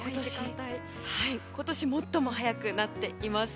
今年最も早くなっています。